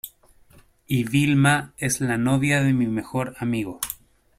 y Vilma es la novia de mi mejor amigo.